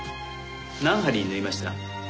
何針縫いました？